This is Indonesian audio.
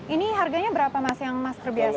ini harganya berapa mas yang mas terbiasa